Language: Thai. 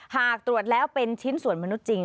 หากตรวจแล้วเป็นชิ้นส่วนมนุษย์จริง